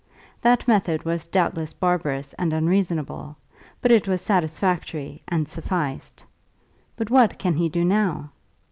That method was doubtless barbarous and unreasonable, but it was satisfactory and sufficed. But what can he do now?